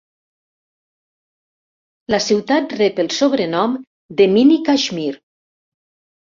La ciutat rep el sobrenom de mini Kashmir.